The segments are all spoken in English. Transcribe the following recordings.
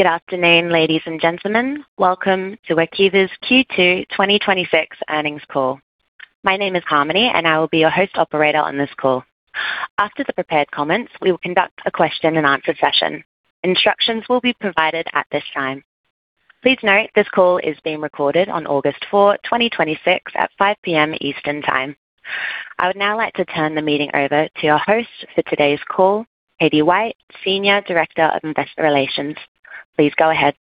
Good afternoon, ladies and gentlemen. Welcome to Workiva's Q2 2026 earnings call. My name is Harmony, and I will be your host operator on this call. After the prepared comments, we will conduct a question and answer session. Instructions will be provided at this time. Please note this call is being recorded on August 4, 2026, at 5:00 P.M. Eastern Time. I would now like to turn the meeting over to your host for today's call, Katie White, Senior Director of Investor Relations. Please go ahead.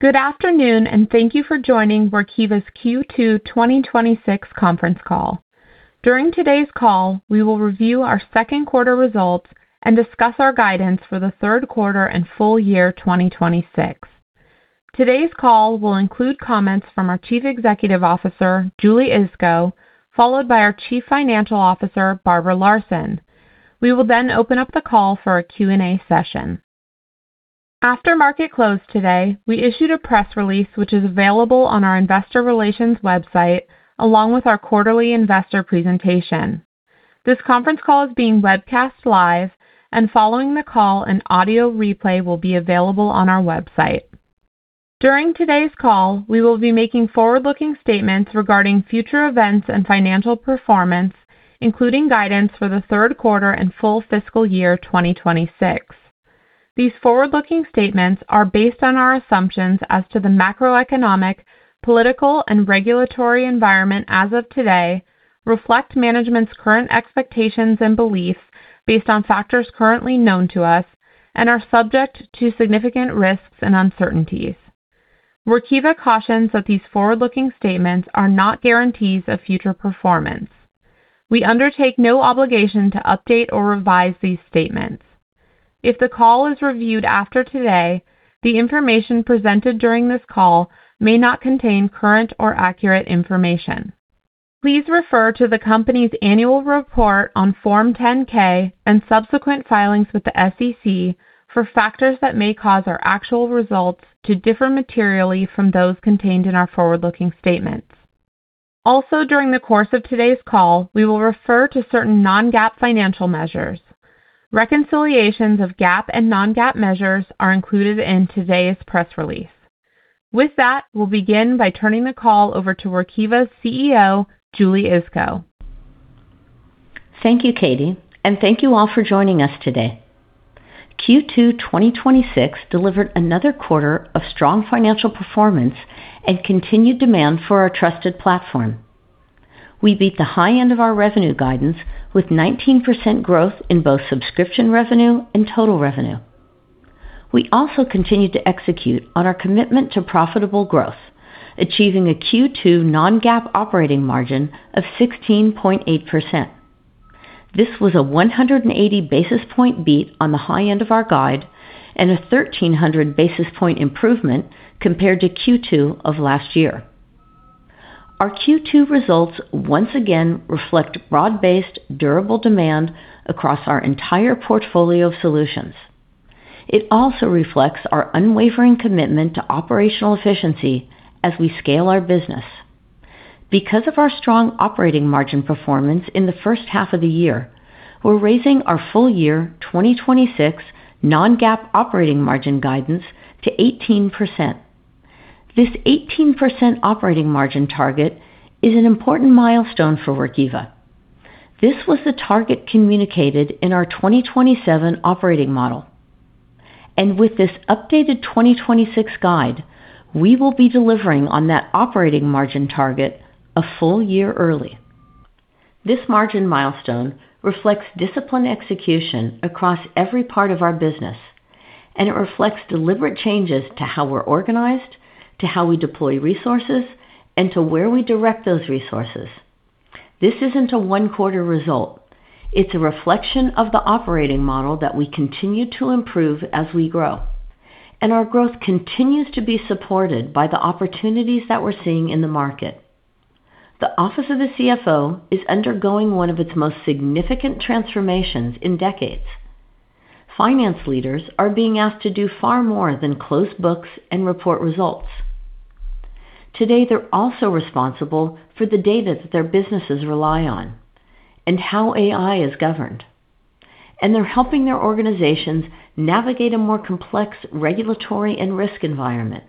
Good afternoon, and thank you for joining Workiva's Q2 2026 conference call. During today's call, we will review our second quarter results and discuss our guidance for the third quarter and full year 2026. Today's call will include comments from our Chief Executive Officer, Julie Iskow, followed by our Chief Financial Officer, Barbara Larson. We will open up the call for a Q&A session. After market close today, we issued a press release which is available on our investor relations website, along with our quarterly investor presentation. This conference call is being webcast live, and following the call, an audio replay will be available on our website. During today's call, we will be making forward-looking statements regarding future events and financial performance, including guidance for the third quarter and full fiscal year 2026. These forward-looking statements are based on our assumptions as to the macroeconomic, political, and regulatory environment as of today, reflect management's current expectations and beliefs based on factors currently known to us, and are subject to significant risks and uncertainties. Workiva cautions that these forward-looking statements are not guarantees of future performance. We undertake no obligation to update or revise these statements. If the call is reviewed after today, the information presented during this call may not contain current or accurate information. Please refer to the company's annual report on Form 10-K and subsequent filings with the SEC for factors that may cause our actual results to differ materially from those contained in our forward-looking statements. During the course of today's call, we will refer to certain non-GAAP financial measures. Reconciliations of GAAP and non-GAAP measures are included in today's press release. With that, we'll begin by turning the call over to Workiva's CEO, Julie Iskow. Thank you, Katie, and thank you all for joining us today. Q2 2026 delivered another quarter of strong financial performance and continued demand for our trusted platform. We beat the high end of our revenue guidance with 19% growth in both subscription revenue and total revenue. We also continued to execute on our commitment to profitable growth, achieving a Q2 non-GAAP operating margin of 16.8%. This was a 180 basis point beat on the high end of our guide and a 1,300 basis point improvement compared to Q2 of last year. Our Q2 results once again reflect broad-based, durable demand across our entire portfolio of solutions. It also reflects our unwavering commitment to operational efficiency as we scale our business. Because of our strong operating margin performance in the first half of the year, we're raising our full year 2026 non-GAAP operating margin guidance to 18%. This 18% operating margin target is an important milestone for Workiva. This was the target communicated in our 2027 operating model. With this updated 2026 guide, we will be delivering on that operating margin target a full year early. This margin milestone reflects disciplined execution across every part of our business. It reflects deliberate changes to how we're organized, to how we deploy resources, and to where we direct those resources. This isn't a one-quarter result. It's a reflection of the operating model that we continue to improve as we grow. Our growth continues to be supported by the opportunities that we're seeing in the market. The office of the CFO is undergoing one of its most significant transformations in decades. Finance leaders are being asked to do far more than close books and report results. Today, they're also responsible for the data that their businesses rely on and how AI is governed. They're helping their organizations navigate a more complex regulatory and risk environment.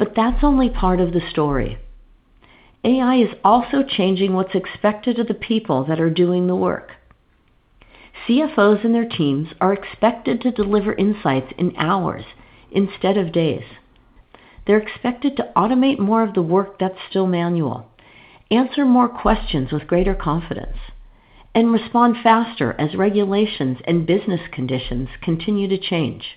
That's only part of the story. AI is also changing what's expected of the people that are doing the work. CFOs and their teams are expected to deliver insights in hours instead of days. They're expected to automate more of the work that's still manual, answer more questions with greater confidence, and respond faster as regulations and business conditions continue to change.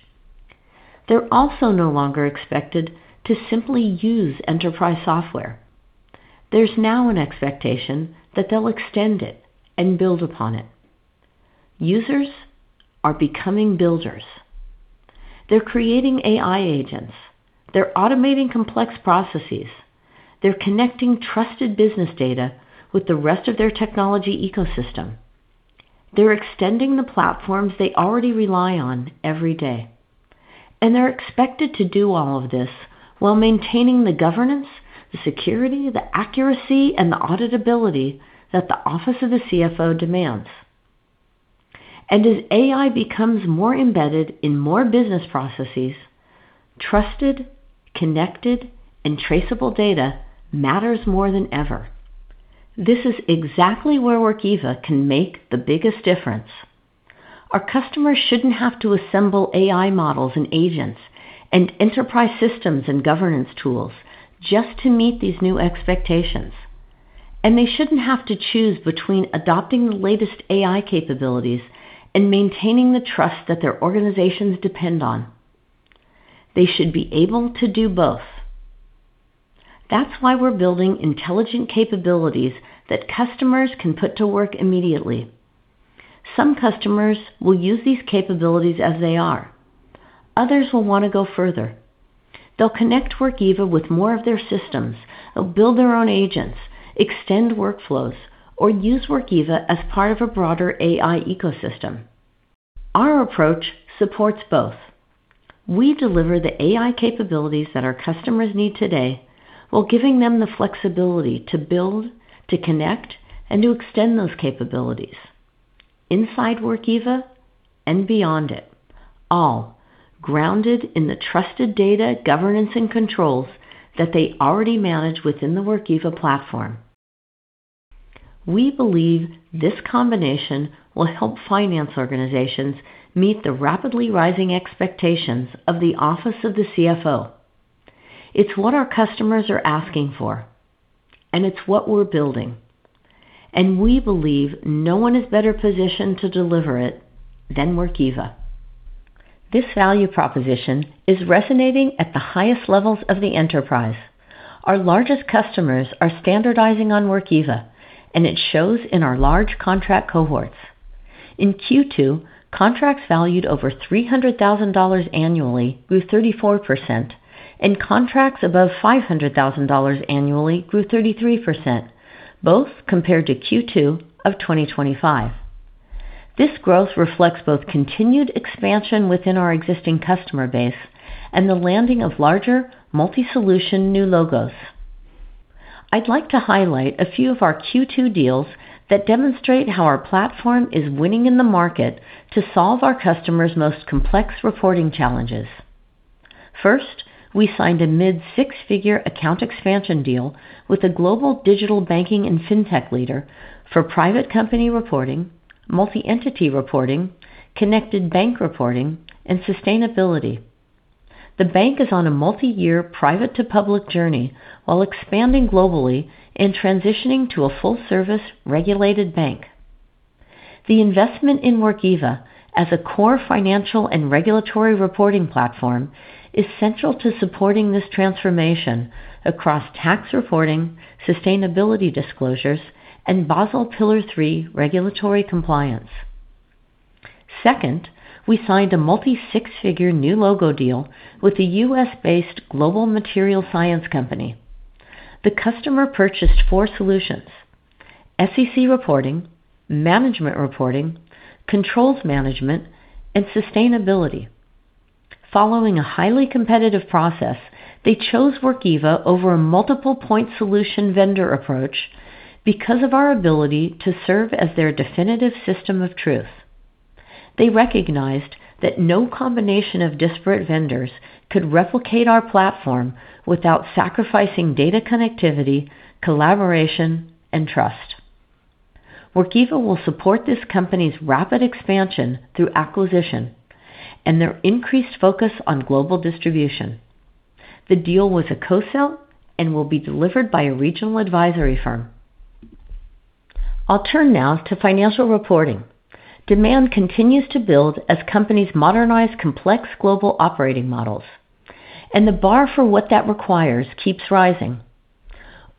They're also no longer expected to simply use enterprise software. There's now an expectation that they'll extend it and build upon it. Users are becoming builders. They're creating AI agents. They're automating complex processes. They're connecting trusted business data with the rest of their technology ecosystem. They're extending the platforms they already rely on every day. They're expected to do all of this while maintaining the governance, the security, the accuracy, and the auditability that the office of the CFO demands. As AI becomes more embedded in more business processes, trusted, connected, and traceable data matters more than ever. This is exactly where Workiva can make the biggest difference. Our customers shouldn't have to assemble AI models and agents and enterprise systems and governance tools just to meet these new expectations. They shouldn't have to choose between adopting the latest AI capabilities and maintaining the trust that their organizations depend on. They should be able to do both. That's why we're building intelligent capabilities that customers can put to work immediately. Some customers will use these capabilities as they are. Others will want to go further. They'll connect Workiva with more of their systems, build their own agents, extend workflows, or use Workiva as part of a broader AI ecosystem. Our approach supports both. We deliver the AI capabilities that our customers need today while giving them the flexibility to build, to connect, and to extend those capabilities inside Workiva and beyond it, all grounded in the trusted data governance and controls that they already manage within the Workiva platform. We believe this combination will help finance organizations meet the rapidly rising expectations of the office of the CFO. It's what our customers are asking for, and it's what we're building. We believe no one is better positioned to deliver it than Workiva. This value proposition is resonating at the highest levels of the enterprise. Our largest customers are standardizing on Workiva, and it shows in our large contract cohorts. In Q2, contracts valued over $300,000 annually grew 34%, and contracts above $500,000 annually grew 33%, both compared to Q2 of 2025. This growth reflects both continued expansion within our existing customer base and the landing of larger multi-solution new logos. I'd like to highlight a few of our Q2 deals that demonstrate how our platform is winning in the market to solve our customers' most complex reporting challenges. First, we signed a mid-six-figure account expansion deal with a global digital banking and fintech leader for Private Company Reporting, Multi-Entity Financial Reporting, connected bank reporting, and Sustainability. The bank is on a multi-year private-to-public journey while expanding globally and transitioning to a full-service regulated bank. The investment in Workiva as a core financial and regulatory reporting platform is central to supporting this transformation across Tax Reporting, sustainability disclosures, and Basel Pillar 3 regulatory compliance. Second, we signed a multi-six-figure new logo deal with a U.S.-based global material science company. The customer purchased four solutions: SEC reporting, Management Reporting, controls management, and Sustainability. Following a highly competitive process, they chose Workiva over a multiple-point solution vendor approach because of our ability to serve as their definitive system of truth. They recognized that no combination of disparate vendors could replicate our platform without sacrificing data connectivity, collaboration, and trust. Workiva will support this company's rapid expansion through acquisition and their increased focus on global distribution. The deal was a co-sell and will be delivered by a regional advisory firm. I'll turn now to Financial Reporting. Demand continues to build as companies modernize complex global operating models. The bar for what that requires keeps rising.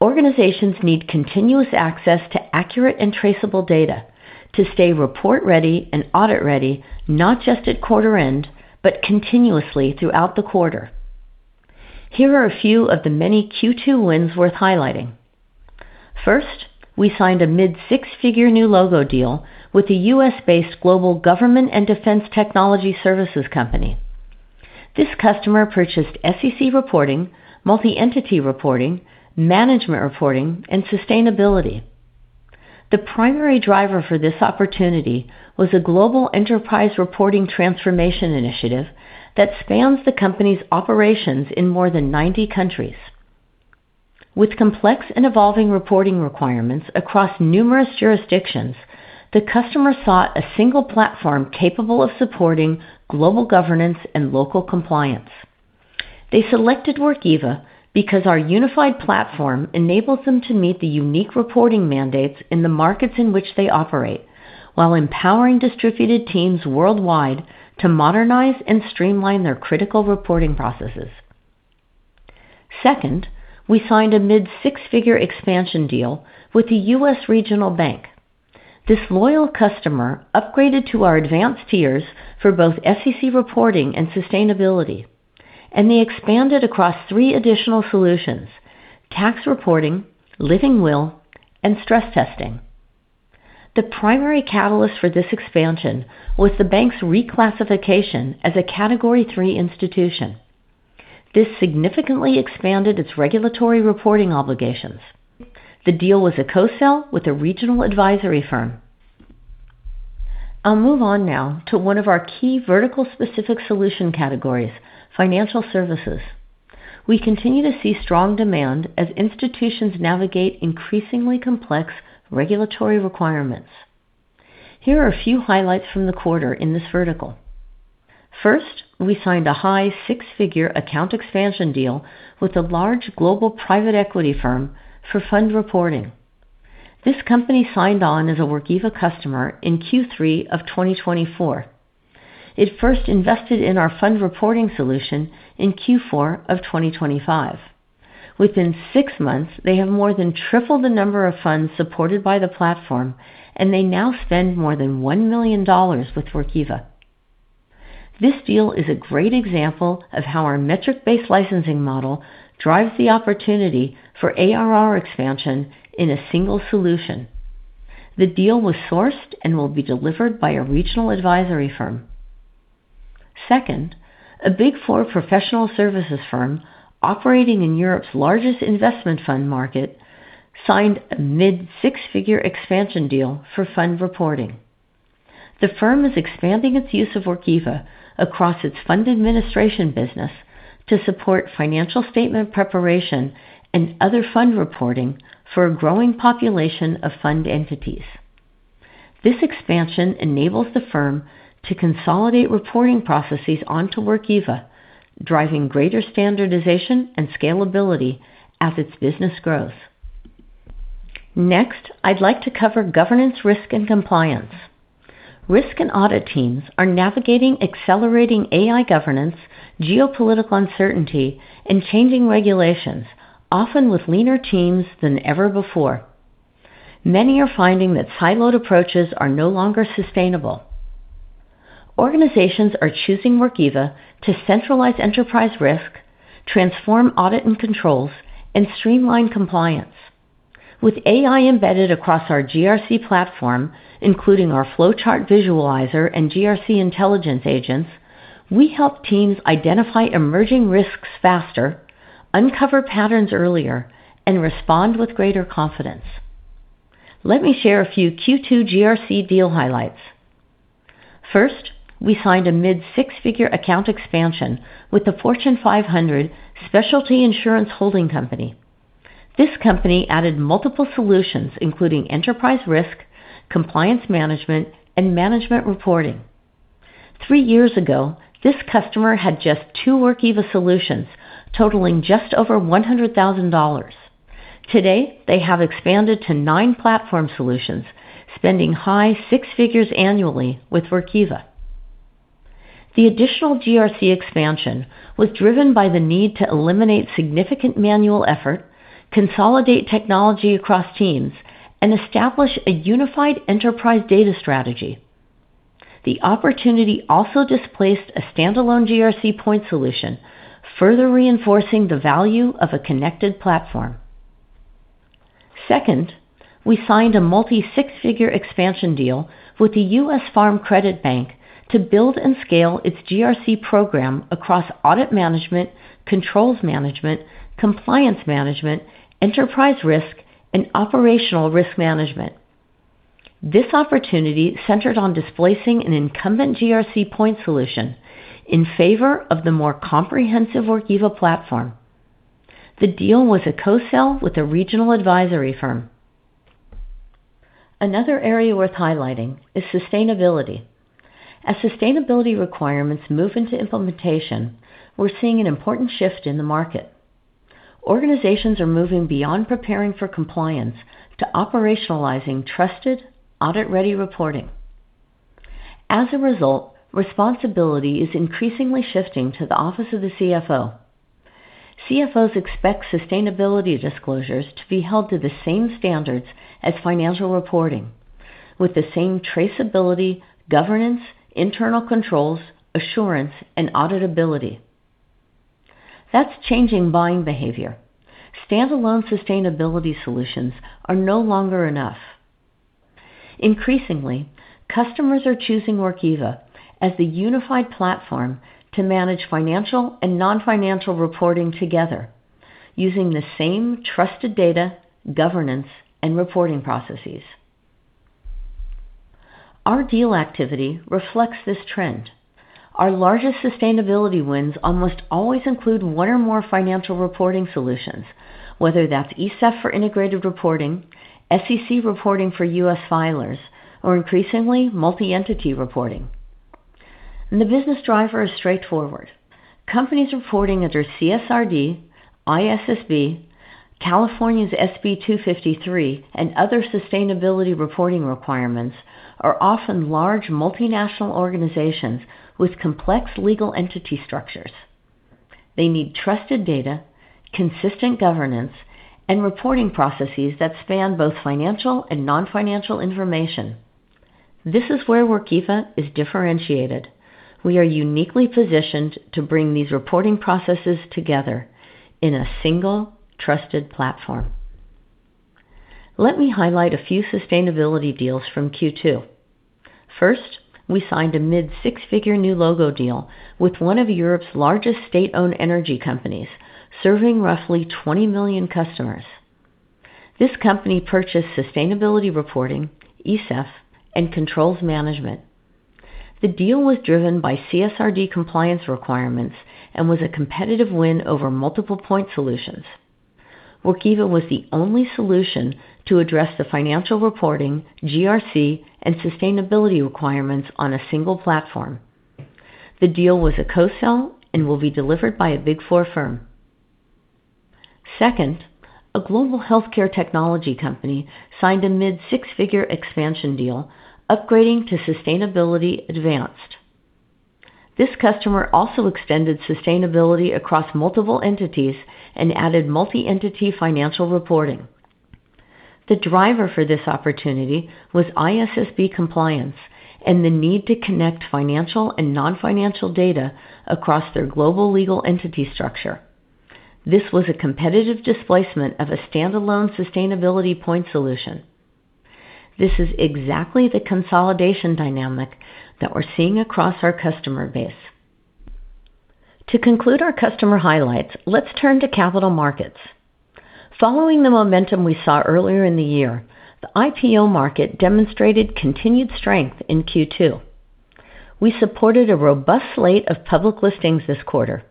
Organizations need continuous access to accurate and traceable data to stay report-ready and audit-ready, not just at quarter-end, but continuously throughout the quarter. Here are a few of the many Q2 wins worth highlighting. First, we signed a mid-six-figure new logo deal with a U.S.-based global government and defense technology services company. This customer purchased SEC reporting, Multi-Entity Financial Reporting, Management Reporting, and Sustainability. The primary driver for this opportunity was a global enterprise reporting transformation initiative that spans the company's operations in more than 90 countries. With complex and evolving reporting requirements across numerous jurisdictions, the customer sought a single platform capable of supporting global governance and local compliance. They selected Workiva because our unified platform enables them to meet the unique reporting mandates in the markets in which they operate while empowering distributed teams worldwide to modernize and streamline their critical reporting processes. Second, we signed a mid-six-figure expansion deal with a U.S. regional bank. This loyal customer upgraded to our advanced tiers for both SEC reporting and sustainability, and they expanded across three additional solutions: Tax Reporting, Living Will, and stress testing. The primary catalyst for this expansion was the bank's reclassification as a Category 3 institution. This significantly expanded its regulatory reporting obligations. The deal was a co-sell with a regional advisory firm. I'll move on now to one of our key vertical specific solution categories, financial services. We continue to see strong demand as institutions navigate increasingly complex regulatory requirements. Here are a few highlights from the quarter in this vertical. First, we signed a high six-figure account expansion deal with a large global private equity firm for Fund Reporting. This company signed on as a Workiva customer in Q3 of 2024. It first invested in our Fund Reporting solution in Q4 of 2025. Within six months, they have more than tripled the number of funds supported by the platform, and they now spend more than $1 million with Workiva. This deal is a great example of how our metric-based licensing model drives the opportunity for ARR expansion in a single solution. The deal was sourced and will be delivered by a regional advisory firm. Second, a Big Four professional services firm operating in Europe's largest investment fund market, signed a mid-six-figure expansion deal for Fund Reporting. The firm is expanding its use of Workiva across its fund administration business to support financial statement preparation and other Fund Reporting for a growing population of fund entities. This expansion enables the firm to consolidate reporting processes onto Workiva, driving greater standardization and scalability as its business grows. Next, I'd like to cover Governance Risk and Compliance. Risk and audit teams are navigating accelerating AI governance, geopolitical uncertainty, and changing regulations, often with leaner teams than ever before. Many are finding that siloed approaches are no longer sustainable. Organizations are choosing Workiva to centralize Enterprise Risk, transform audit and controls, and streamline compliance. With AI embedded across our GRC platform, including our flowchart visualizer and GRC intelligence agents, we help teams identify emerging risks faster, uncover patterns earlier, and respond with greater confidence. Let me share a few Q2 GRC deal highlights. First, we signed a mid-six-figure account expansion with the Fortune 500 specialty insurance holding company. This company added multiple solutions including Enterprise Risk, Compliance Management, and Management Reporting. Three years ago, this customer had just two Workiva solutions totaling just over $100,000. Today, they have expanded to nine platform solutions, spending high six figures annually with Workiva. The additional GRC expansion was driven by the need to eliminate significant manual effort, consolidate technology across teams, and establish a unified enterprise data strategy. The opportunity also displaced a standalone GRC point solution, further reinforcing the value of a connected platform. Second, we signed a multi six-figure expansion deal with the U.S. Farm Credit Bank to build and scale its GRC program across Audit Management, controls management, Compliance Management, Enterprise Risk, and Operational Risk Management. This opportunity centered on displacing an incumbent GRC point solution in favor of the more comprehensive Workiva platform. The deal was a co-sell with a regional advisory firm. Another area worth highlighting is sustainability. As sustainability requirements move into implementation, we're seeing an important shift in the market. Organizations are moving beyond preparing for compliance to operationalizing trusted audit-ready reporting. As a result, responsibility is increasingly shifting to the office of the CFO. CFOs expect sustainability disclosures to be held to the same standards as financial reporting with the same traceability, governance, internal controls, assurance, and auditability. That's changing buying behavior. Standalone sustainability solutions are no longer enough. Increasingly, customers are choosing Workiva as the unified platform to manage financial and non-financial reporting together using the same trusted data, governance, and reporting processes. Our deal activity reflects this trend. Our largest sustainability wins almost always include one or more financial reporting solutions, whether that's ESEF for integrated reporting, SEC reporting for U.S. filers, or increasingly, multi-entity reporting. The business driver is straightforward. Companies reporting under CSRD, ISSB, California's SB 253, and other sustainability reporting requirements are often large multinational organizations with complex legal entity structures. They need trusted data, consistent governance, and reporting processes that span both financial and non-financial information. This is where Workiva is differentiated. We are uniquely positioned to bring these reporting processes together in a single trusted platform. Let me highlight a few sustainability deals from Q2. First, we signed a mid-six-figure new logo deal with one of Europe's largest state-owned energy companies, serving roughly 20 million customers. This company purchased sustainability reporting, ESEF, and controls management. The deal was driven by CSRD compliance requirements and was a competitive win over multiple point solutions. Workiva was the only solution to address the financial reporting, GRC, and sustainability requirements on a single platform. The deal was a co-sell and will be delivered by a Big Four firm. Second, a global healthcare technology company signed a mid-six-figure expansion deal upgrading to Sustainability Advanced. This customer also extended sustainability across multiple entities and added Multi-Entity Financial Reporting. The driver for this opportunity was ISSB compliance and the need to connect financial and non-financial data across their global legal entity structure. This was a competitive displacement of a standalone sustainability point solution. This is exactly the consolidation dynamic that we're seeing across our customer base. To conclude our customer highlights, let's turn to capital markets. Following the momentum we saw earlier in the year, the IPO market demonstrated continued strength in Q2. We supported a robust slate of public listings this quarter.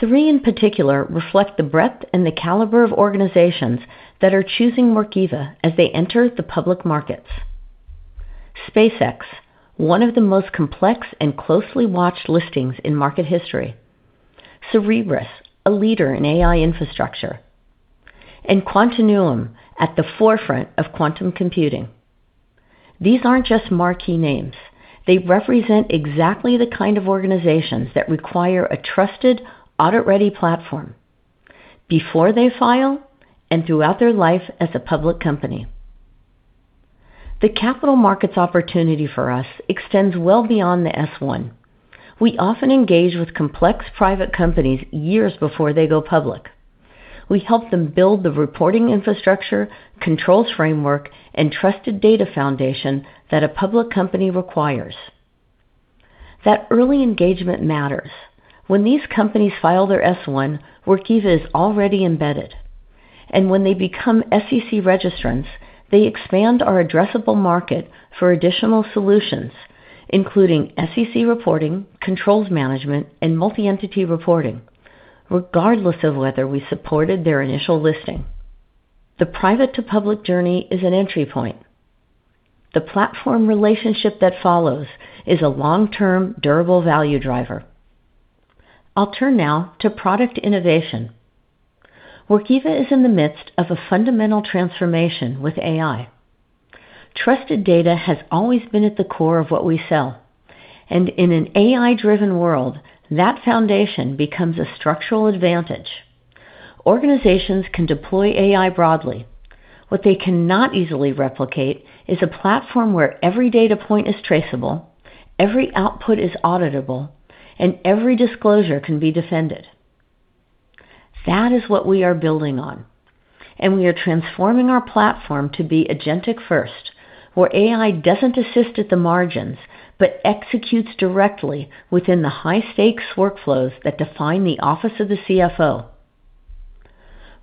Three, in particular, reflect the breadth and the caliber of organizations that are choosing Workiva as they enter the public markets. SpaceX, one of the most complex and closely watched listings in market history. Cerebras, a leader in AI infrastructure. Quantinuum, at the forefront of quantum computing. These aren't just marquee names. They represent exactly the kind of organizations that require a trusted, audit-ready platform before they file and throughout their life as a public company. The capital markets opportunity for us extends well beyond the S-1. We often engage with complex private companies years before they go public. We help them build the reporting infrastructure, controls framework, and trusted data foundation that a public company requires. That early engagement matters. When these companies file their S-1, Workiva is already embedded. When they become SEC registrants, they expand our addressable market for additional solutions, including SEC reporting, controls management, and multi-entity reporting, regardless of whether we supported their initial listing. The private to public journey is an entry point. The platform relationship that follows is a long-term durable value driver. I'll turn now to product innovation. Workiva is in the midst of a fundamental transformation with AI. Trusted data has always been at the core of what we sell. In an AI-driven world, that foundation becomes a structural advantage. Organizations can deploy AI broadly. What they cannot easily replicate is a platform where every data point is traceable, every output is auditable, and every disclosure can be defended. That is what we are building on, and we are transforming our platform to be agentic-first, where AI doesn't assist at the margins, but executes directly within the high-stakes workflows that define the office of the CFO.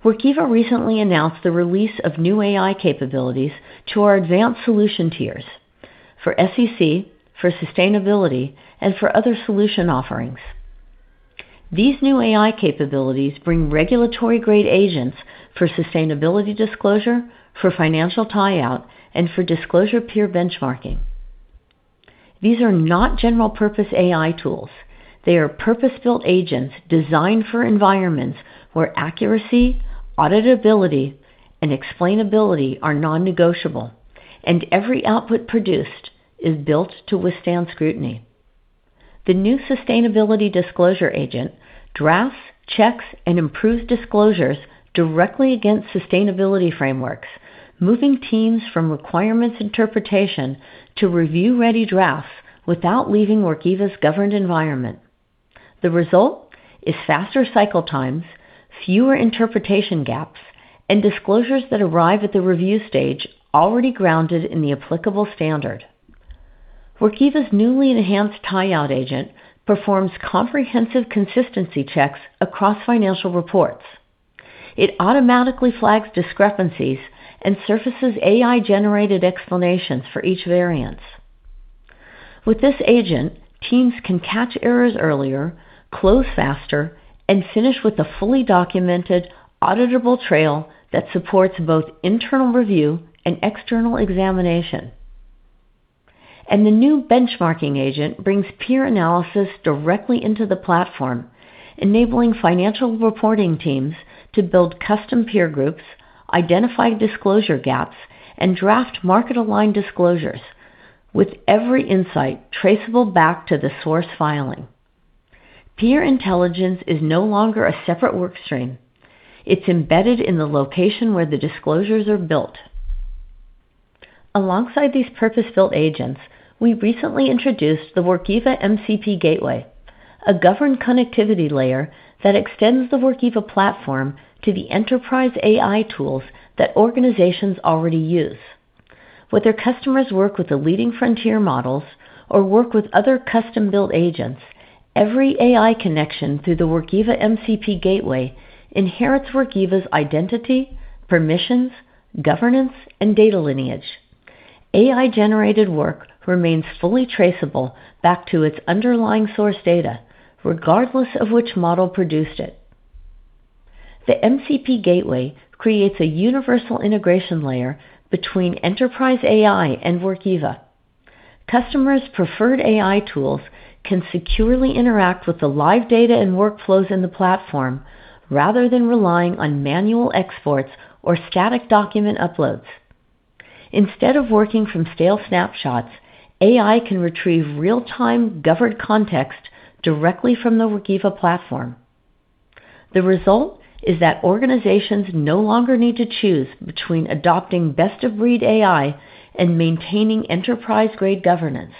Workiva recently announced the release of new AI capabilities to our advanced solution tiers for SEC, for sustainability, and for other solution offerings. These new AI capabilities bring regulatory-grade agents for sustainability disclosure, for financial tie-out, and for disclosure peer benchmarking. These are not general-purpose AI tools. They are purpose-built agents designed for environments where accuracy, auditability, and explainability are non-negotiable, and every output produced is built to withstand scrutiny. The new sustainability disclosure agent drafts, checks, and improves disclosures directly against sustainability frameworks, moving teams from requirements interpretation to review-ready drafts without leaving Workiva's governed environment. The result is faster cycle times, fewer interpretation gaps, and disclosures that arrive at the review stage already grounded in the applicable standard. Workiva's newly enhanced tie-out agent performs comprehensive consistency checks across financial reports. It automatically flags discrepancies and surfaces AI-generated explanations for each variance. With this agent, teams can catch errors earlier, close faster, and finish with a fully documented, auditable trail that supports both internal review and external examination. The new benchmarking agent brings peer analysis directly into the platform, enabling financial reporting teams to build custom peer groups, identify disclosure gaps, and draft market-aligned disclosures with every insight traceable back to the source filing. Peer intelligence is no longer a separate work stream. It's embedded in the location where the disclosures are built. Alongside these purpose-built agents, we recently introduced the Workiva MCP Gateway, a governed connectivity layer that extends the Workiva platform to the enterprise AI tools that organizations already use. Whether customers work with the leading frontier models or work with other custom-built agents, every AI connection through the Workiva MCP Gateway inherits Workiva's identity, permissions, governance, and data lineage. AI-generated work remains fully traceable back to its underlying source data, regardless of which model produced it. The MCP Gateway creates a universal integration layer between enterprise AI and Workiva. Customers' preferred AI tools can securely interact with the live data and workflows in the platform rather than relying on manual exports or static document uploads. Instead of working from stale snapshots, AI can retrieve real-time governed context directly from the Workiva platform. The result is that organizations no longer need to choose between adopting best-of-breed AI and maintaining enterprise-grade governance.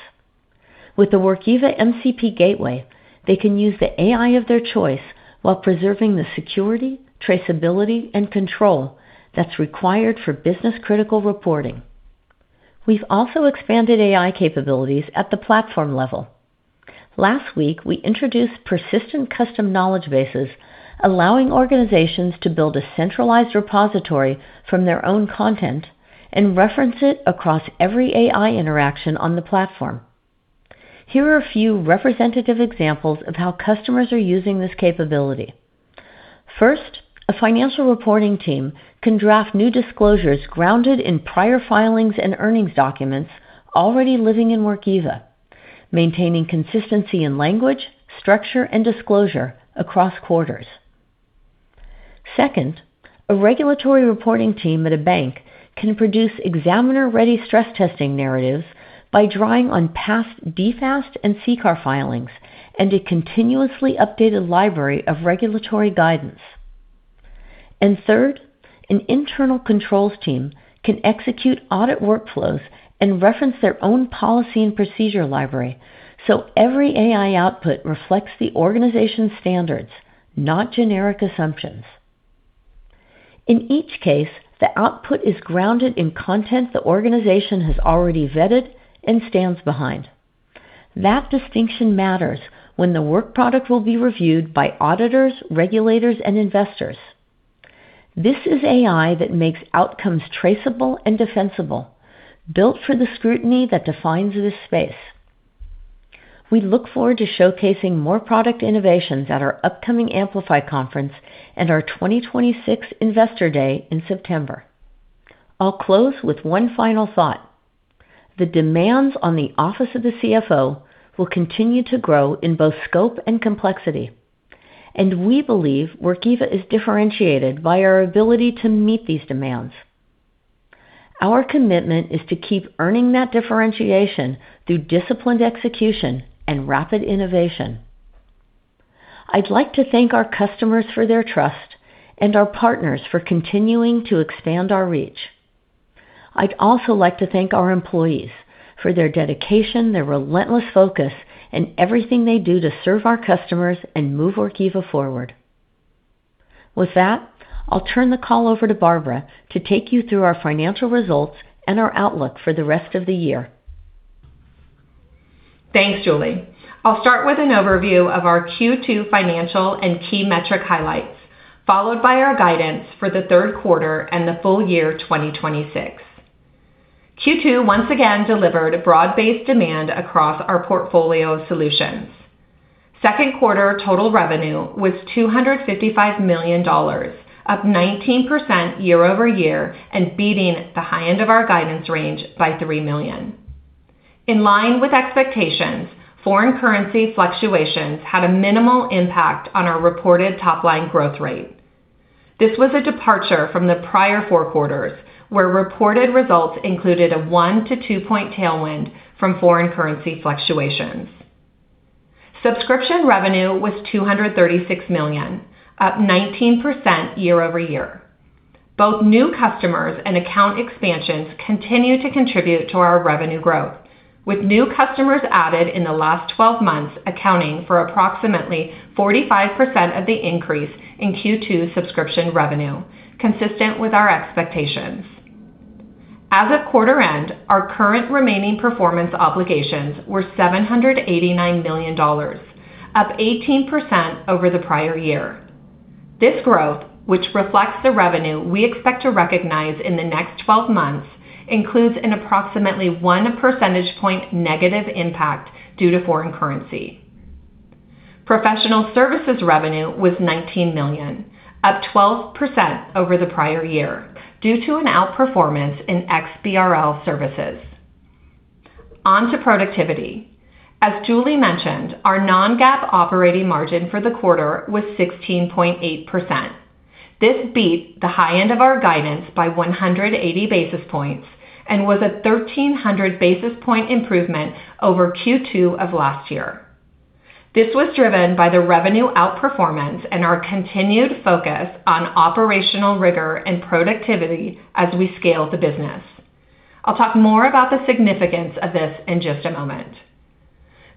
With the Workiva MCP Gateway, they can use the AI of their choice while preserving the security, traceability, and control that's required for business-critical reporting. We've also expanded AI capabilities at the platform level. Last week, we introduced persistent custom knowledge bases, allowing organizations to build a centralized repository from their own content and reference it across every AI interaction on the platform. Here are a few representative examples of how customers are using this capability. First, a financial reporting team can draft new disclosures grounded in prior filings and earnings documents already living in Workiva, maintaining consistency in language, structure, and disclosure across quarters. Second, a regulatory reporting team at a bank can produce examiner-ready stress testing narratives by drawing on past DFAST and CCAR filings and a continuously updated library of regulatory guidance. Third, an internal controls team can execute audit workflows and reference their own policy and procedure library, so every AI output reflects the organization's standards, not generic assumptions. In each case, the output is grounded in content the organization has already vetted and stands behind. That distinction matters when the work product will be reviewed by auditors, regulators, and investors. This is AI that makes outcomes traceable and defensible, built for the scrutiny that defines this space. We look forward to showcasing more product innovations at our upcoming Amplify conference and our 2026 Investor Day in September. I'll close with one final thought. The demands on the office of the CFO will continue to grow in both scope and complexity, we believe Workiva is differentiated by our ability to meet these demands. Our commitment is to keep earning that differentiation through disciplined execution and rapid innovation. I'd like to thank our customers for their trust and our partners for continuing to expand our reach. I'd also like to thank our employees for their dedication, their relentless focus, and everything they do to serve our customers and move Workiva forward. With that, I'll turn the call over to Barbara to take you through our financial results and our outlook for the rest of the year. Thanks, Julie. I'll start with an overview of our Q2 financial and key metric highlights, followed by our guidance for the third quarter and the full year 2026. Q2 once again delivered broad-based demand across our portfolio of solutions. Second quarter total revenue was $255 million, up 19% year-over-year, beating the high end of our guidance range by $3 million. In line with expectations, foreign currency fluctuations had a minimal impact on our reported top-line growth rate. This was a departure from the prior four quarters, where reported results included a one- to two-point tailwind from foreign currency fluctuations. Subscription revenue was $236 million, up 19% year-over-year. Both new customers and account expansions continue to contribute to our revenue growth, with new customers added in the last 12 months accounting for approximately 45% of the increase in Q2 subscription revenue, consistent with our expectations. As of quarter end, our current remaining performance obligations were $789 million, up 18% over the prior year. This growth, which reflects the revenue we expect to recognize in the next 12 months, includes an approximately one percentage point negative impact due to foreign currency. Professional services revenue was $19 million, up 12% over the prior year, due to an outperformance in XBRL services. On to productivity. As Julie mentioned, our non-GAAP operating margin for the quarter was 16.8%. This beats the high end of our guidance by 180 basis points and was a 1,300 basis point improvement over Q2 of last year. This was driven by the revenue outperformance and our continued focus on operational rigor and productivity as we scale the business. I'll talk more about the significance of this in just a moment.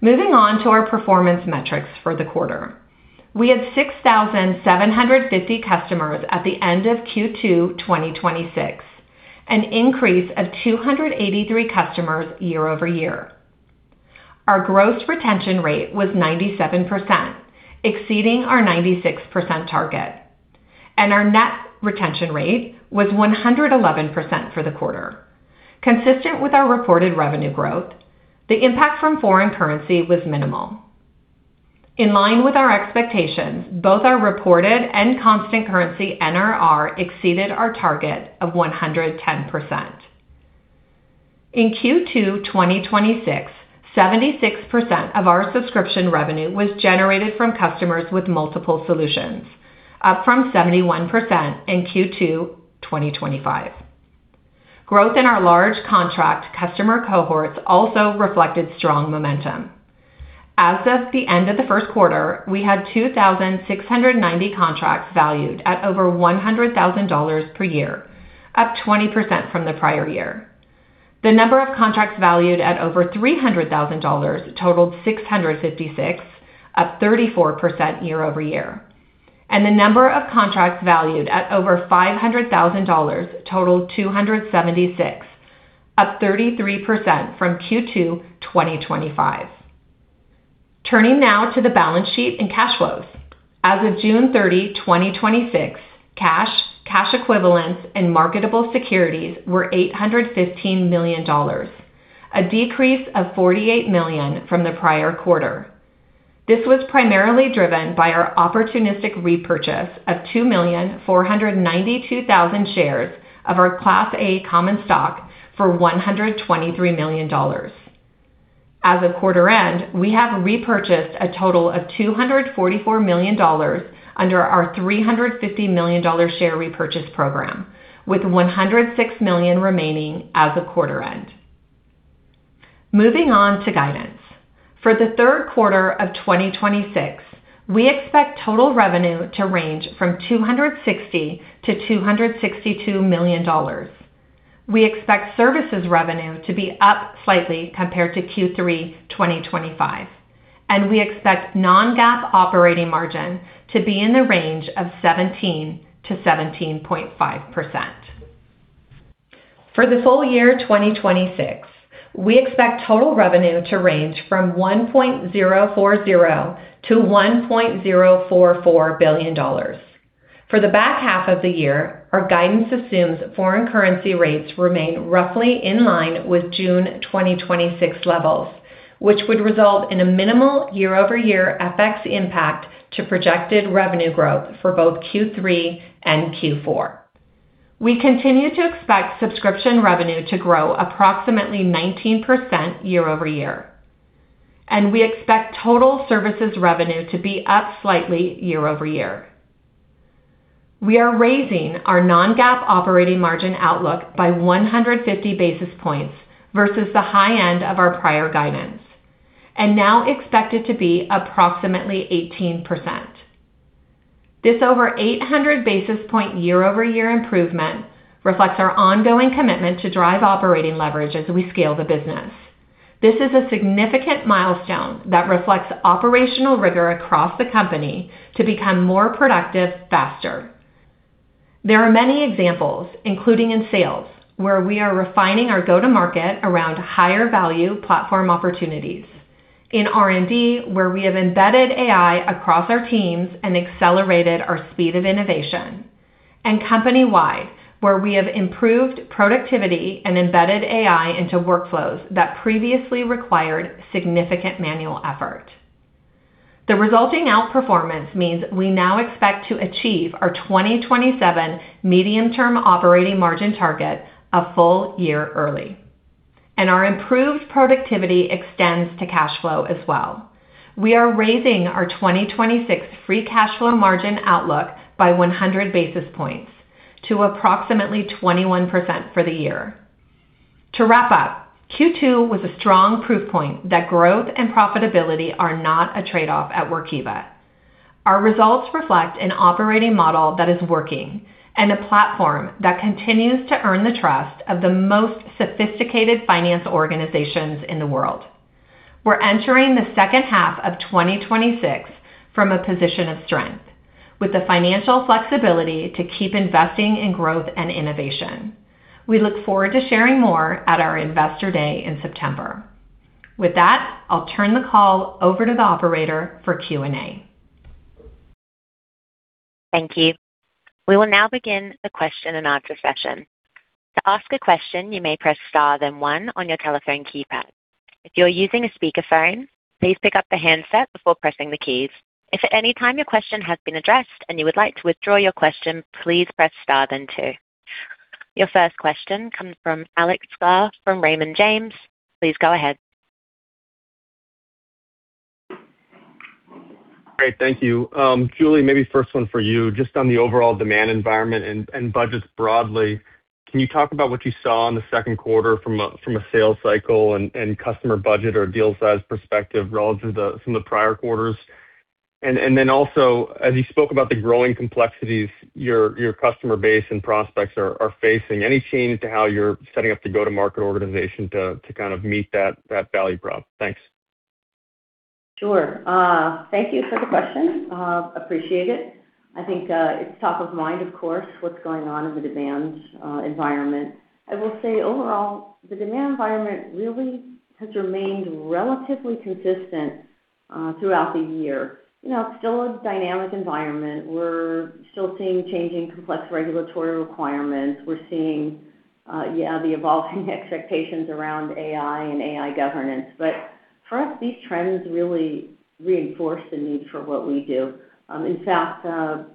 Moving on to our performance metrics for the quarter. We had 6,750 customers at the end of Q2 2026, an increase of 283 customers year-over-year. Our gross retention rate was 97%, exceeding our 96% target. Our net retention rate was 111% for the quarter. Consistent with our reported revenue growth, the impact from foreign currency was minimal. In line with our expectations, both our reported and constant currency NRR exceeded our target of 110%. In Q2 2026, 76% of our subscription revenue was generated from customers with multiple solutions, up from 71% in Q2 2025. Growth in our large contract customer cohorts also reflected strong momentum. As of the end of the first quarter, we had 2,690 contracts valued at over $100,000 per year, up 20% from the prior year. The number of contracts valued at over $300,000 totaled 656, up 34% year-over-year. The number of contracts valued at over $500,000 totaled 276, up 33% from Q2 2025. Turning now to the balance sheet and cash flows. As of June 30, 2026, cash equivalents, and marketable securities were $815 million, a decrease of $48 million from the prior quarter. This was primarily driven by our opportunistic repurchase of 2,492,000 shares of our Class A common stock for $123 million. As of quarter end, we have repurchased a total of $244 million under our $350 million share repurchase program, with $106 million remaining as of quarter end. Moving on to guidance. For the third quarter of 2026, we expect total revenue to range from $260 million-$262 million. We expect services revenue to be up slightly compared to Q3 2025, and we expect non-GAAP operating margin to be in the range of 17%-17.5%. For the full year 2026, we expect total revenue to range from $1.040 billion-$1.044 billion. For the back half of the year, our guidance assumes foreign currency rates remain roughly in line with June 2026 levels, which would result in a minimal year-over-year FX impact to projected revenue growth for both Q3 and Q4. We continue to expect subscription revenue to grow approximately 19% year-over-year, and we expect total services revenue to be up slightly year-over-year. We are raising our non-GAAP operating margin outlook by 150 basis points versus the high end of our prior guidance, and now expect it to be approximately 18%. This over 800 basis point year-over-year improvement reflects our ongoing commitment to drive operating leverage as we scale the business. This is a significant milestone that reflects operational rigor across the company to become more productive faster. There are many examples, including in sales, where we are refining our go-to-market around higher value platform opportunities. In R&D, where we have embedded AI across our teams and accelerated our speed of innovation. Company-wide, where we have improved productivity and embedded AI into workflows that previously required significant manual effort. The resulting outperformance means we now expect to achieve our 2027 medium-term operating margin target a full year early. Our improved productivity extends to cash flow as well. We are raising our 2026 free cash flow margin outlook by 100 basis points to approximately 21% for the year. To wrap up, Q2 was a strong proof point that growth and profitability are not a trade-off at Workiva. Our results reflect an operating model that is working and a platform that continues to earn the trust of the most sophisticated finance organizations in the world. We're entering the second half of 2026 from a position of strength with the financial flexibility to keep investing in growth and innovation. We look forward to sharing more at our Investor Day in September. With that, I'll turn the call over to the operator for Q&A. Thank you. We will now begin the question and answer session. To ask a question, you may press star then one on your telephone keypad. If you are using a speakerphone, please pick up the handset before pressing the keys. If at any time your question has been addressed and you would like to withdraw your question, please press star then two. Your first question comes from Alex Sklar from Raymond James. Please go ahead. Great. Thank you. Julie, maybe first one for you, just on the overall demand environment and budgets broadly, can you talk about what you saw in the second quarter from a sales cycle and customer budget or deal size perspective relative from the prior quarters? Also, as you spoke about the growing complexities your customer base and prospects are facing, any change to how you're setting up the go-to-market organization to kind of meet that value prop? Thanks. Sure. Thank you for the question. Appreciate it. I think it's top of mind, of course, what's going on in the demand environment. I will say overall, the demand environment really has remained relatively consistent throughout the year. It's still a dynamic environment. We're still seeing changing complex regulatory requirements. We're seeing, yeah, the evolving expectations around AI and AI governance. For us, these trends really reinforce the need for what we do. In fact,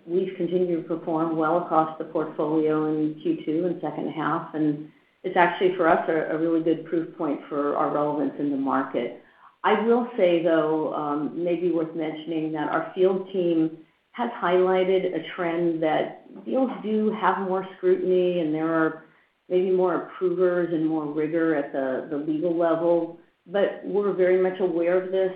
we've continued to perform well across the portfolio in Q2 and second half, and it's actually, for us, a really good proof point for our relevance in the market. I will say, though, maybe worth mentioning, that our field team has highlighted a trend that deals do have more scrutiny, and there are maybe more approvers and more rigor at the legal level. We're very much aware of this,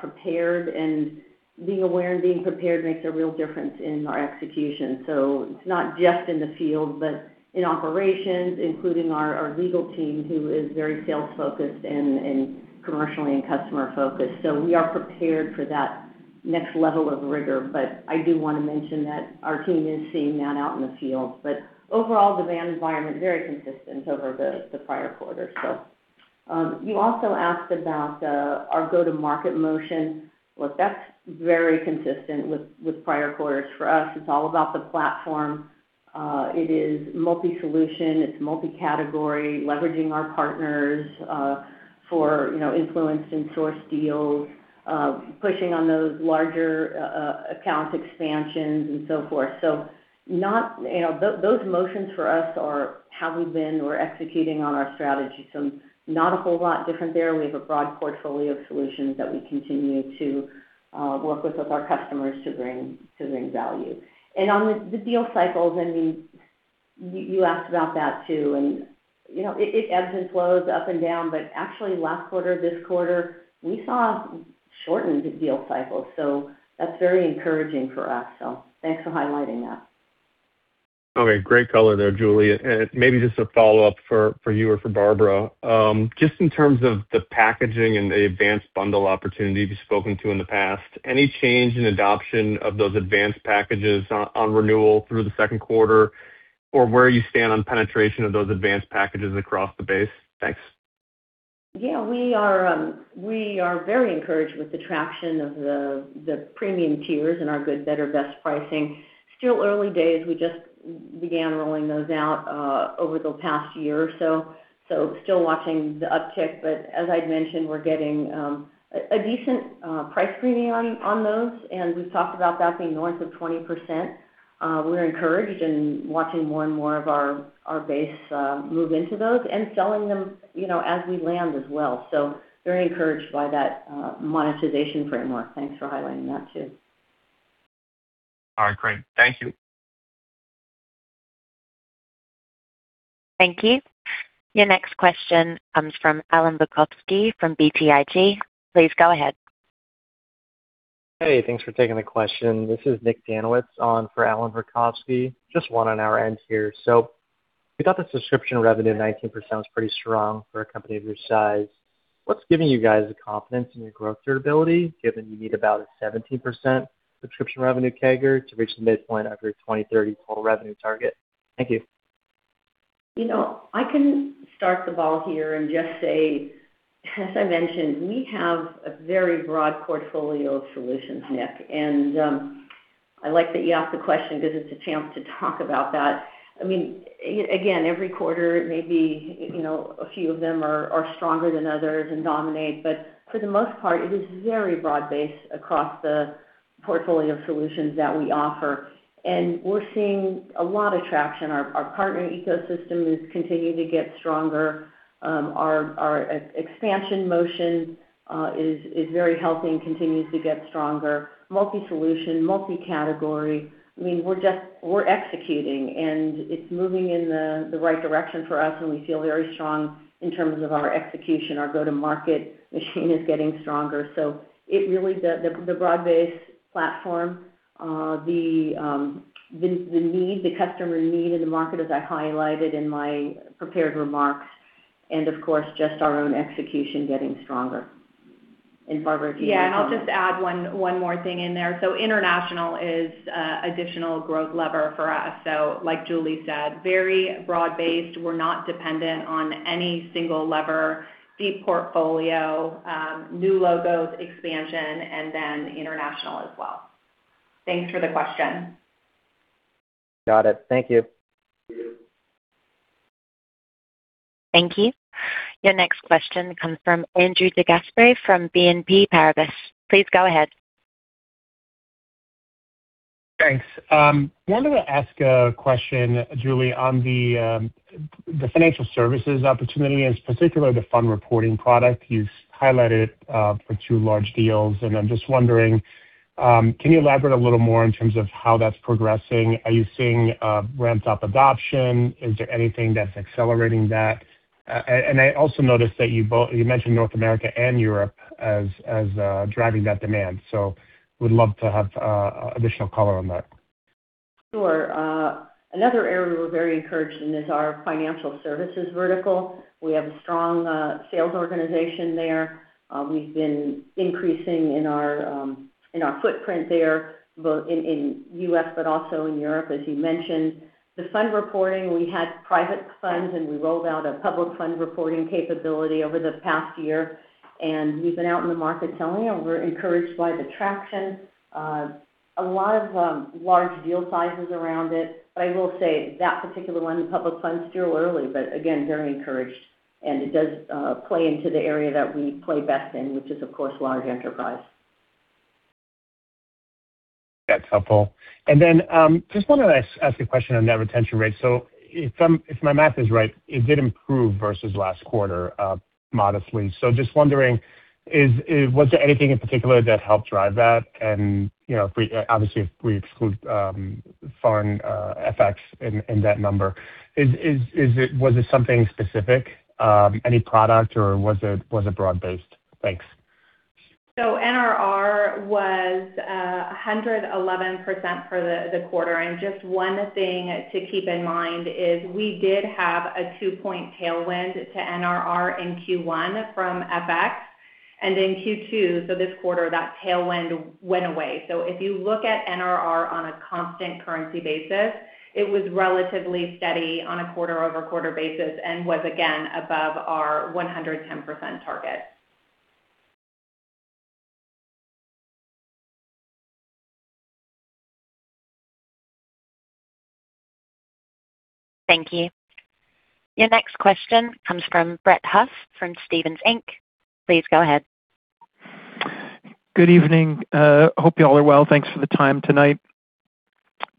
prepared, and being aware and being prepared makes a real difference in our execution. It's not just in the field, but in operations, including our legal team, who is very sales-focused and commercially and customer-focused. We are prepared for that next level of rigor. I do want to mention that our team is seeing that out in the field. Overall, demand environment, very consistent over the prior quarters. You also asked about our go-to-market motion. Look, that's very consistent with prior quarters. For us, it's all about the Workiva platform. It is multi-solution, it's multi-category, leveraging our partners for influenced and sourced deals, pushing on those larger accounts expansions and so forth. Those motions for us are how we've been or executing on our strategy. Not a whole lot different there. We have a broad portfolio of solutions that we continue to work with our customers to bring value. On the deal cycles, you asked about that too, and it ebbs and flows up and down. Actually last quarter, this quarter, we saw shortened deal cycles. That's very encouraging for us. Thanks for highlighting that. Okay. Great color there, Julie. Maybe just a follow-up for you or for Barbara. Just in terms of the packaging and the advanced bundle opportunity you've spoken to in the past, any change in adoption of those advanced packages on renewal through the second quarter or where you stand on penetration of those advanced packages across the base? Thanks. Yeah, we are very encouraged with the traction of the premium tiers and our good, better, best pricing. Still early days. We just began rolling those out over the past year or so. Still watching the uptick, but as I'd mentioned, we're getting a decent price premium on those, and we've talked about that being north of 20%. We're encouraged and watching more and more of our base move into those and selling them as we land as well. Very encouraged by that monetization framework. Thanks for highlighting that too. All right, great. Thank you. Thank you. Your next question comes from Allen Berkowitz from BTIG. Please go ahead. Hey, thanks for taking the question. This is Nick Dannewitz on for Allen Berkowitz. Just one on our end here. We thought the subscription revenue at 19% was pretty strong for a company of your size. What's giving you guys the confidence in your growth durability, given you need about a 17% subscription revenue CAGR to reach the midpoint of your 2030 total revenue target? Thank you. I can start the ball here and just say, as I mentioned, we have a very broad portfolio of solutions, Nick. I like that you asked the question because it's a chance to talk about that. Again, every quarter, maybe a few of them are stronger than others and dominate, but for the most part, it is very broad-based across the portfolio of solutions that we offer. We're seeing a lot of traction. Our partner ecosystem is continuing to get stronger. Our expansion motion is very healthy and continues to get stronger. Multi-solution, multi-category. We're executing, and it's moving in the right direction for us, and we feel very strong in terms of our execution. Our go-to-market machine is getting stronger. The broad-based platform, the customer need in the market, as I highlighted in my prepared remarks, and of course, just our own execution getting stronger. Barbara, do you want to comment? Yeah, I'll just add one more thing in there. International is additional growth lever for us. Like Julie said, very broad-based. We're not dependent on any single lever. Deep portfolio, new logos, expansion, and then international as well. Thanks for the question. Got it. Thank you. Thank you. Your next question comes from Andrew DeGasperi from BNP Paribas. Please go ahead. Thanks. Wanted to ask a question, Julie, on the financial services opportunity, and specifically the Fund Reporting product you've highlighted for two large deals. I'm just wondering, can you elaborate a little more in terms of how that's progressing? Are you seeing ramp-up adoption? Is there anything that's accelerating that? I also noticed that you mentioned North America and Europe as driving that demand, so would love to have additional color on that. Sure. Another area we're very encouraged in is our financial services vertical. We have a strong sales organization there. We've been increasing in our footprint there, both in U.S. but also in Europe, as you mentioned. The Fund Reporting, we had private funds, and we rolled out a public Fund Reporting capability over the past year, and we've been out in the market selling, and we're encouraged by the traction. A lot of large deal sizes around it. I will say that particular one, the public funds, still early, but again, very encouraged. It does play into the area that we play best in, which is, of course, large enterprise. That's helpful. Just wanted to ask a question on net retention rate. If my math is right, it did improve versus last quarter, modestly. Just wondering, was there anything in particular that helped drive that? Obviously, if we exclude foreign FX in that number. Was it something specific, any product, or was it broad-based? Thanks. NRR was 111% for the quarter. Just one thing to keep in mind is we did have a two-point tailwind to NRR in Q1 from FX. In Q2, this quarter, that tailwind went away. If you look at NRR on a constant currency basis, it was relatively steady on a quarter-over-quarter basis and was, again, above our 110% target. Thank you. Your next question comes from Brett Huff from Stephens Inc. Please go ahead. Good evening. Hope you all are well. Thanks for the time tonight.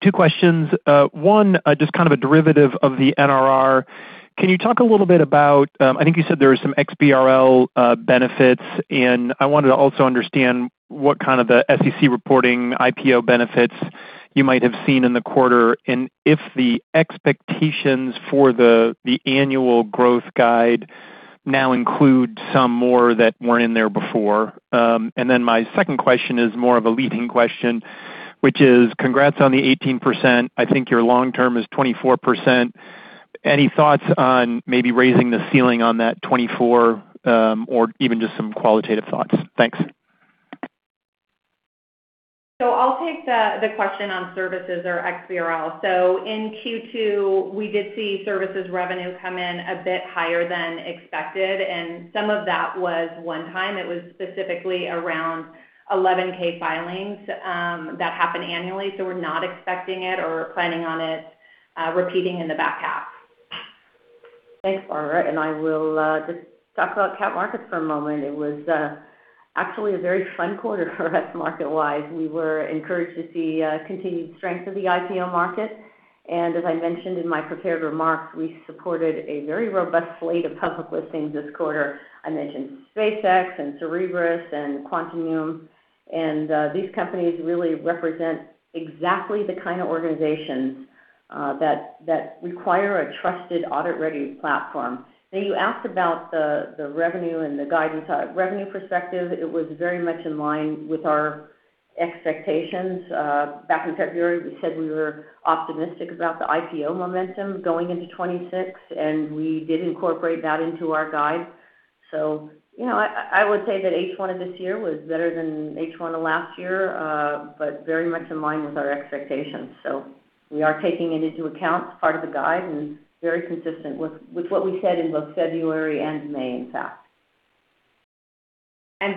Two questions. One, just a derivative of the NRR. Can you talk a little bit about, I think you said there were some XBRL benefits, and I wanted to also understand what kind of the SEC reporting IPO benefits you might have seen in the quarter. If the expectations for the annual growth guide now include some more that weren't in there before. My second question is more of a leading question, which is congrats on the 18%. I think your long term is 24%. Any thoughts on maybe raising the ceiling on that 24% or even just some qualitative thoughts? Thanks. I'll take the question on services or XBRL. In Q2, we did see services revenue come in a bit higher than expected, and some of that was one time. It was specifically around 11-K filings that happen annually, so we're not expecting it or planning on it repeating in the back half. Thanks, Barbara. I will just talk about cap markets for a moment. It was actually a very fun quarter for us market-wise. We were encouraged to see continued strength in the IPO market. As I mentioned in my prepared remarks, we supported a very robust slate of public listings this quarter. I mentioned SpaceX and Cerebras and Quantinuum. These companies really represent exactly the kind of organizations that require a trusted audit-ready platform. You asked about the revenue and the guidance. Revenue perspective, it was very much in line with our expectations. Back in February, we said we were optimistic about the IPO momentum going into 2026, and we did incorporate that into our guide. I would say that H1 of this year was better than H1 of last year, but very much in line with our expectations. We are taking it into account as part of the guide and very consistent with what we said in both February and May, in fact.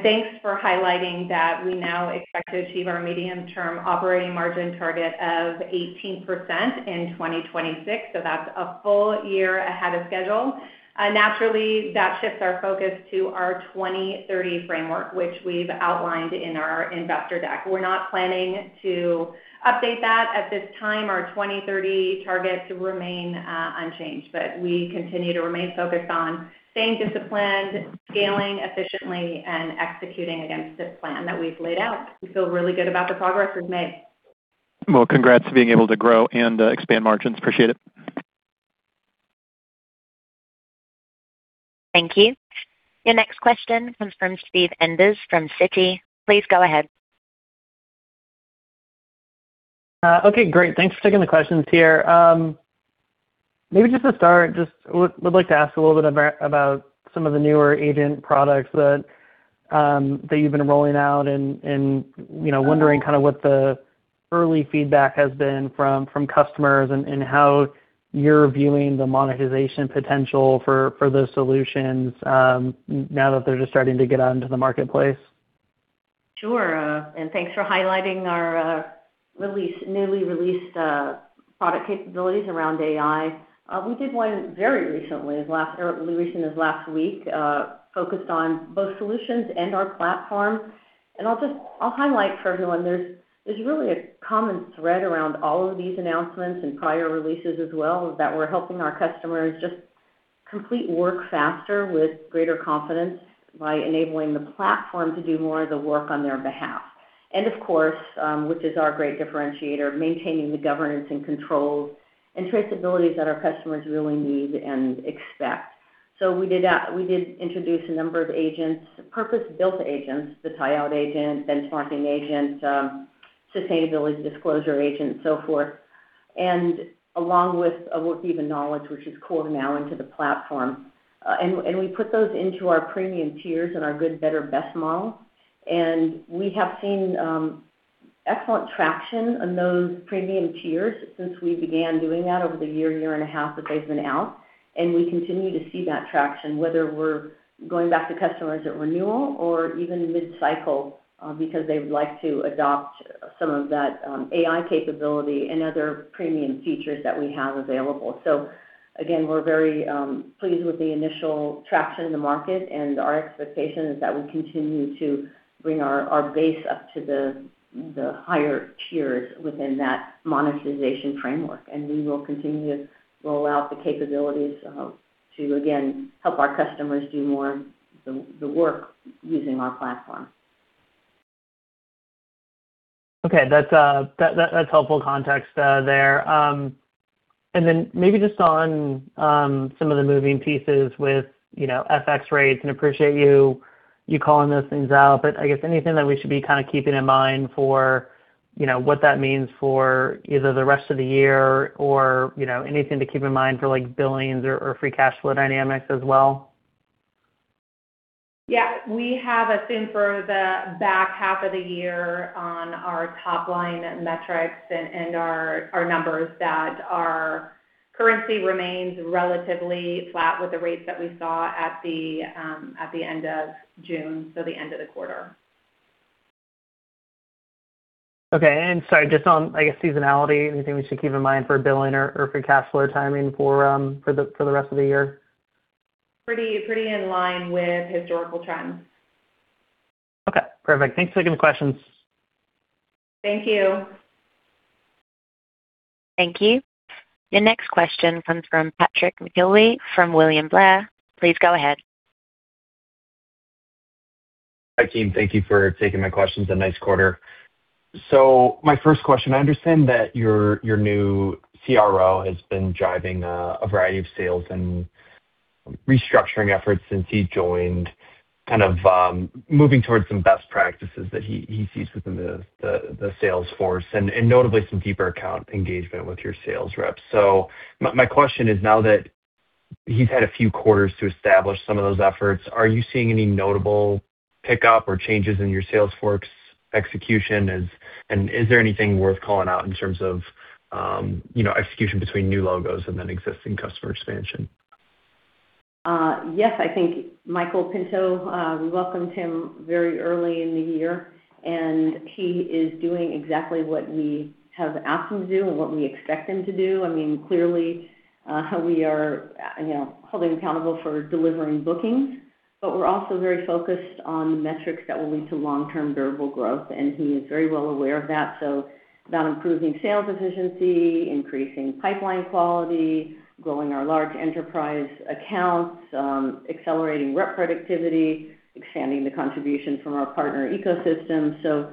Thanks for highlighting that we now expect to achieve our medium-term operating margin target of 18% in 2026. That's a full year ahead of schedule. Naturally, that shifts our focus to our 2030 framework, which we've outlined in our investor deck. We're not planning to update that at this time. Our 2030 targets remain unchanged, but we continue to remain focused on staying disciplined, scaling efficiently, and executing against this plan that we've laid out. We feel really good about the progress we've made. Well, congrats on being able to grow and expand margins. Appreciate it. Thank you. Your next question comes from Steve Enders from Citi. Please go ahead. Okay, great. Thanks for taking the questions here. Maybe just to start, just would like to ask a little bit about some of the newer agent products that you've been rolling out and wondering what the early feedback has been from customers and how you're viewing the monetization potential for those solutions, now that they're just starting to get out into the marketplace. Sure. Thanks for highlighting our newly released product capabilities around AI. We did one very recently, as recent as last week, focused on both solutions and our Platform. I'll highlight for everyone, there's really a common thread around all of these announcements and prior releases as well, is that we're helping our customers just complete work faster with greater confidence by enabling the Platform to do more of the work on their behalf. Of course, which is our great differentiator, maintaining the governance and controls and traceability that our customers really need and expect. We did introduce a number of agents, purpose-built agents, the tie-out agent, benchmarking agent, sustainability disclosure agent, so forth, along with Workiva Knowledge, which is core now into the Platform. We put those into our premium tiers and our good, better, best model. We have seen excellent traction on those premium tiers since we began doing that over the year and a half that they've been out. We continue to see that traction, whether we're going back to customers at renewal or even mid-cycle because they would like to adopt some of that AI capability and other premium features that we have available. Again, we're very pleased with the initial traction in the market, and our expectation is that we continue to bring our base up to the higher tiers within that monetization framework. We will continue to roll out the capabilities to, again, help our customers do more of the work using our Platform. Okay. That's helpful context there. Then maybe just on some of the moving pieces with FX rates, and appreciate you calling those things out, but I guess anything that we should be keeping in mind for what that means for either the rest of the year or anything to keep in mind for billings or free cash flow dynamics as well? Yeah. We have assumed for the back half of the year on our top-line metrics and our numbers that our currency remains relatively flat with the rates that we saw at the end of June. So the end of the quarter. Sorry, just on, I guess, seasonality, anything we should keep in mind for billing or free cash flow timing for the rest of the year? Pretty in line with historical trends. Okay, perfect. Thanks for taking the questions. Thank you. Thank you. Your next question comes from Pat McIlwee from William Blair. Please go ahead. Hi, team. Thank you for taking my questions, and nice quarter. My first question, I understand that your new CRO has been driving a variety of sales and restructuring efforts since he joined, kind of moving towards some best practices that he sees within the sales force and notably some deeper account engagement with your sales reps. My question is, now that he's had a few quarters to establish some of those efforts, are you seeing any notable pickup or changes in your sales force execution? Is there anything worth calling out in terms of execution between new logos and then existing customer expansion? Yes, I think Michael Pinto, we welcomed him very early in the year. He is doing exactly what we have asked him to do and what we expect him to do. Clearly, we are holding him accountable for delivering bookings. We're also very focused on the metrics that will lead to long-term durable growth. He is very well aware of that. That improving sales efficiency, increasing pipeline quality, growing our large enterprise accounts, accelerating rep productivity, expanding the contribution from our partner ecosystem.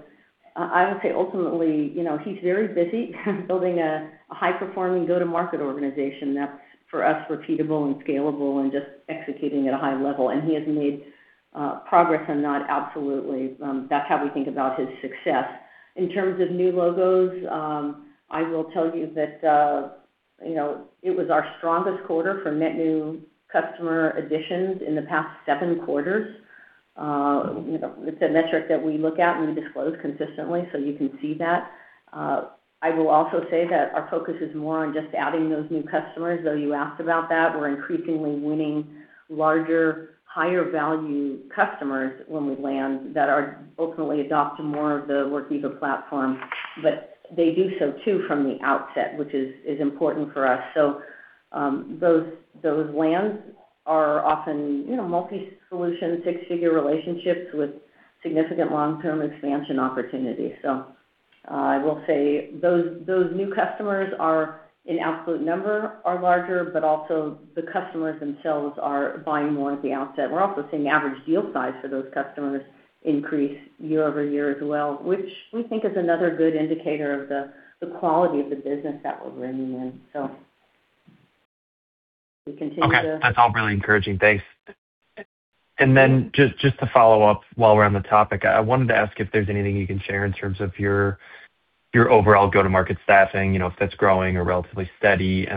I would say ultimately, he's very busy building a high-performing go-to-market organization that's, for us, repeatable and scalable and just executing at a high level. He has made progress on that absolutely. That's how we think about his success. In terms of new logos, I will tell you that it was our strongest quarter for net new customer additions in the past seven quarters. It's a metric that we look at and we disclose consistently, so you can see that. I will also say that our focus is more on just adding those new customers, though you asked about that. We're increasingly winning larger, higher value customers when we land that are ultimately adopting more of the Workiva platform, but they do so too from the outset, which is important for us. Those lands are often multi-solution, six-figure relationships with significant long-term expansion opportunities. I will say those new customers in absolute number are larger, but also the customers themselves are buying more at the outset. We're also seeing average deal size for those customers increase year-over-year as well, which we think is another good indicator of the quality of the business that we're bringing in. We continue to. Okay. That's all really encouraging. Thanks. Just to follow up while we're on the topic, I wanted to ask if there's anything you can share in terms of your overall go-to-market staffing, if that's growing or relatively steady.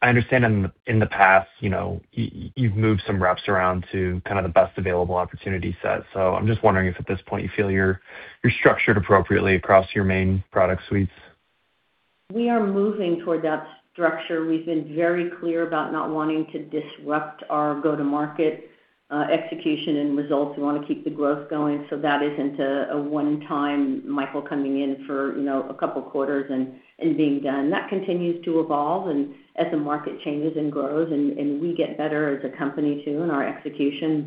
I understand in the past, you've moved some reps around to kind of the best available opportunity set. I'm just wondering if at this point you feel you're structured appropriately across your main product suites? We are moving toward that structure. We've been very clear about not wanting to disrupt our go-to-market execution and results. We want to keep the growth going so that isn't a one-time Michael coming in for a couple quarters and being done. That continues to evolve, and as the market changes and grows, and we get better as a company too in our execution.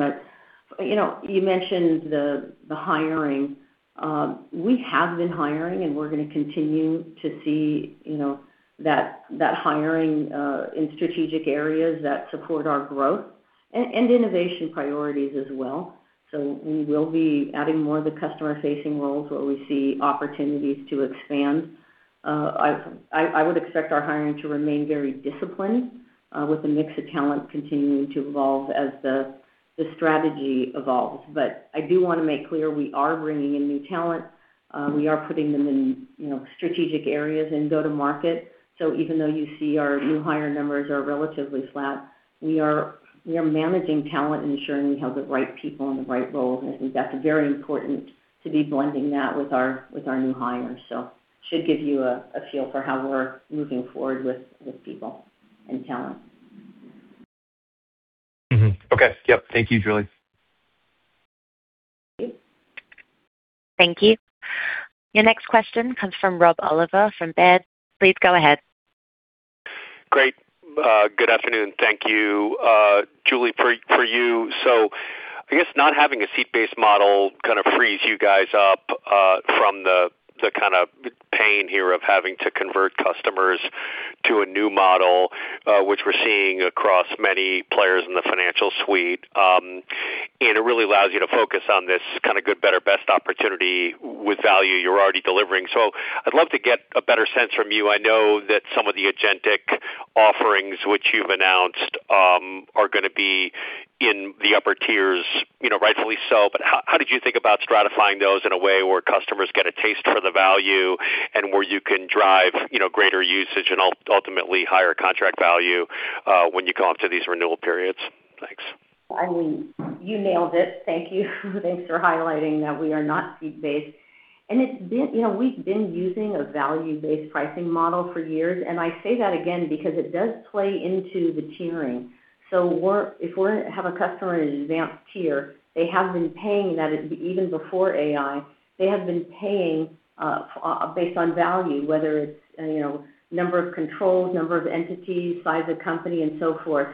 You mentioned the hiring. We have been hiring, and we're going to continue to see that hiring in strategic areas that support our growth and innovation priorities as well. We will be adding more of the customer-facing roles where we see opportunities to expand. I would expect our hiring to remain very disciplined, with the mix of talent continuing to evolve as the strategy evolves. I do want to make clear we are bringing in new talent. We are putting them in strategic areas in go-to-market. Even though you see our new hire numbers are relatively flat, we are managing talent and ensuring we have the right people in the right roles, and I think that's very important to be blending that with our new hires. Should give you a feel for how we're moving forward with people and talent. Okay. Yep. Thank you, Julie. Thank you. Your next question comes from Rob Oliver from Baird. Please go ahead. Great. Good afternoon. Thank you. Julie, for you. I guess not having a seat-based model kind of frees you guys up from the kind of pain here of having to convert customers to a new model, which we're seeing across many players in the financial suite. It really allows you to focus on this kind of good, better, best opportunity with value you're already delivering. I'd love to get a better sense from you. I know that some of the agentic offerings which you've announced are going to be in the upper tiers, rightfully so. How did you think about stratifying those in a way where customers get a taste for the value and where you can drive greater usage and ultimately higher contract value when you come up to these renewal periods? Thanks. I mean, you nailed it. Thank you. Thanks for highlighting that we are not seat-based. We've been using a value-based pricing model for years, and I say that again because it does play into the tiering. If we have a customer in an advanced tier, they have been paying that even before AI. They have been paying based on value, whether it's number of controls, number of entities, size of company and so forth.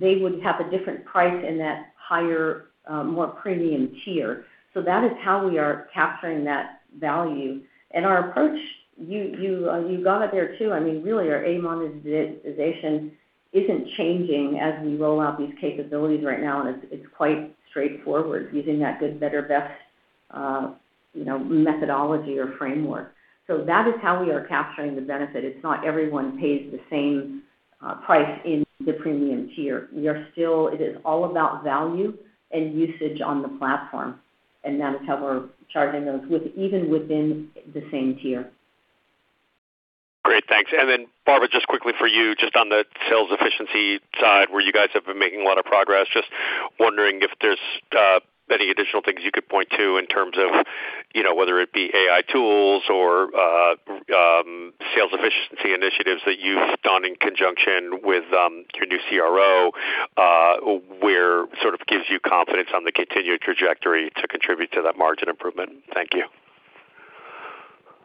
They would have a different price in that higher, more premium tier. That is how we are capturing that value. Our approach, you got it there, too. I mean, really, our aim on this digitization isn't changing as we roll out these capabilities right now, and it's quite straightforward using that good, better, best methodology or framework. That is how we are capturing the benefit. It's not everyone pays the same price in the premium tier. It is all about value and usage on the platform, and that is how we're charging those, even within the same tier. Great, thanks. Barbara, just quickly for you, just on the sales efficiency side, where you guys have been making a lot of progress, just wondering if there's any additional things you could point to in terms of whether it be AI tools or sales efficiency initiatives that you've done in conjunction with your new CRO, where sort of gives you confidence on the continued trajectory to contribute to that margin improvement. Thank you.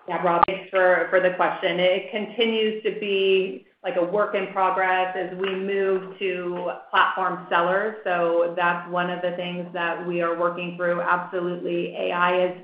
Yeah, Rob, thanks for the question. It continues to be a work in progress as we move to platform sellers. That's one of the things that we are working through. Absolutely, AI is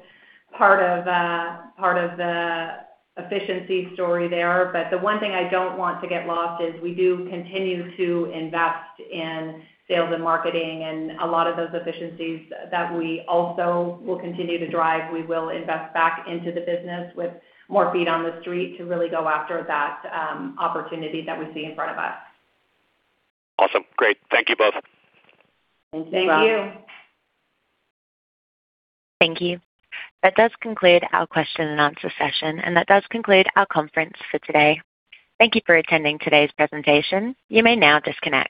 part of the efficiency story there. The one thing I don't want to get lost is we do continue to invest in sales and marketing and a lot of those efficiencies that we also will continue to drive. We will invest back into the business with more feet on the street to really go after that opportunity that we see in front of us. Awesome. Great. Thank you both. Thank you, Rob. Thank you. Thank you. That does conclude our question and answer session. That does conclude our conference for today. Thank you for attending today's presentation. You may now disconnect.